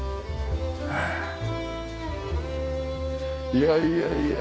いやいやいや。